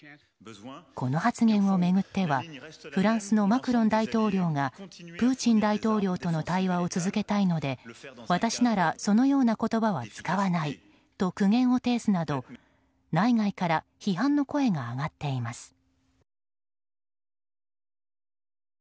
この発言を巡ってはフランスのマクロン大統領がプーチン大統領との対話を続けたいので私ならそのような言葉は使わないと苦言を呈すなど、内外から批判の声が上がっています。